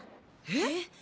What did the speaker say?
えっ？